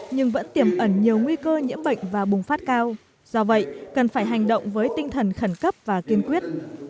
nhưng vẫn tiềm ẩn nhiều nguy cơ nhiễm bệnh và bùng phát cao do vậy cần phải hành động với tinh thần khẩn cấp và kiên quyết